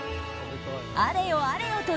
あれよ